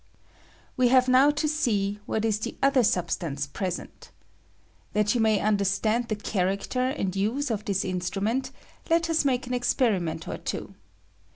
"We have now to see what ia the other substance present. That yon may under stand the character and UBe of this instrument, let ua make an experiment or two.